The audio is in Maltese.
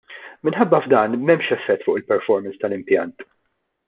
Minħabba f'dan m'hemmx effett fuq il-performance tal-impjant.